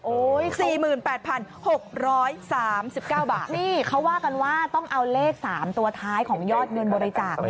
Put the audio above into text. โอ้ยสี่หมื่นแปดพันหกร้อยสามสิบเก้าบาทนี่เขาว่ากันว่าต้องเอาเลขสามตัวท้ายของยอดเงินบริจาคเนี้ย